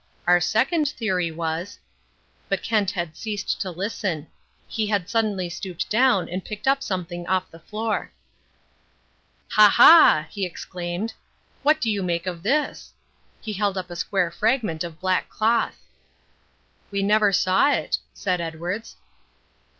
Our second theory was " But Kent had ceased to listen. He had suddenly stooped down and picked up something off the floor. "Ha ha!" he exclaimed. "What do you make of this?" He held up a square fragment of black cloth. "We never saw it," said Edwards.